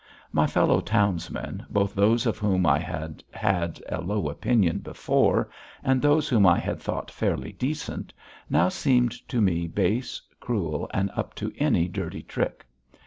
My fellow townsmen, both those of whom I had had a low opinion before, and those whom I had thought fairly decent, now seemed to me base, cruel, and up to any dirty trick.